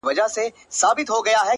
ترڅو له ماڅخه ته هېره سې ـ